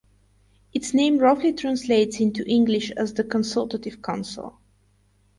Its name roughly translates into English as "the Consultative Council".